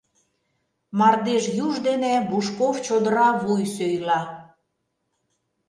Мардеж юж дене Бушков чодыра вуй сӧйла.